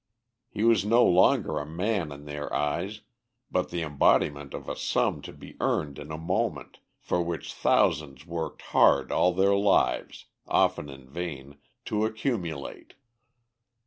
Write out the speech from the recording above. He was no longer a man in their eyes, but the embodiment of a sum to be earned in a moment, for which thousands worked hard all their lives, often in vain, to accumulate.